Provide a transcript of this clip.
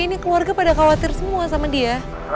ini keluarga pada khawatir semua sama dia